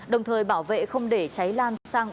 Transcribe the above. đồng thời bảo vệ không để cháy lan